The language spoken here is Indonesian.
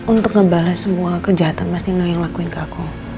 untuk ngebalas semua kejahatan mas dino yang lakuin ke aku